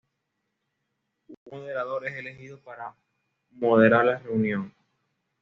Un moderador es elegido para moderar la reunión.